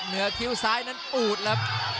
เหนือถิ่นซ้ายนั้นอูดละ